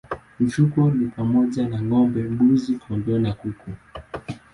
Mifugo ni pamoja na ng'ombe, mbuzi, kondoo na kuku.